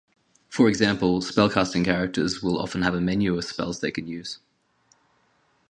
For example, spell-casting characters will often have a menu of spells they can use.